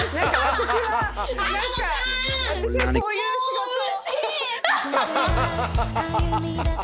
「私はこういう仕事を」